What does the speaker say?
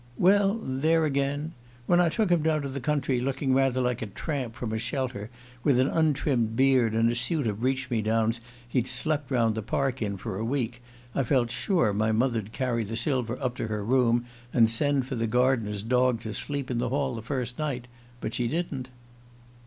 "Well there again. ... When I took him down to the country, looking rather like a tramp from a 'Shelter,' with an untrimmed beard, and a suit of reach me downs he'd slept round the Park in for a week, I felt sure my mother'd carry the silver up to her room, and send for the gardener's dog to sleep in the hall the first night. But she didn't."